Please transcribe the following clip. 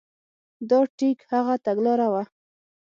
دا ټیک هغه تګلاره وه.